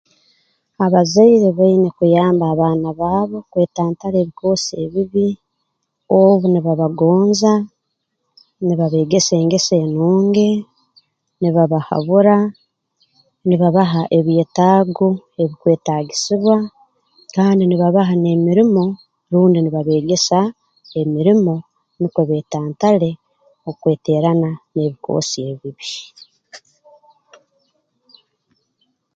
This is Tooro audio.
Abazaire baine kuyamba abaana baabo kwetantara ebikoosi ebibi obu nibabagonza nibabeegesa engeso enungi nibabahabura nibabaha ebyetaago ebikwetaagisibwa kandi nibabaha n'emirimo rundi nibabeegesa emirimo nukwo beetantale okweteerana n'ebikoosi ebibi